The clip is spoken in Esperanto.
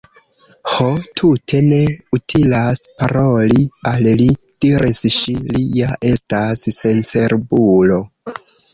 "Ho, tute ne utilas paroli al li," diris ŝi, "li ja estas sencerbulo.